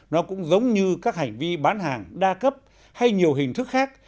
nó cũng giống như các hành vi bán hàng đa cấp hay nhiều hình thức khác